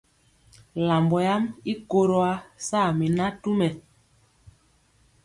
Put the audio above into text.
Lambɔ yam i koro ya saa mi natumɛ.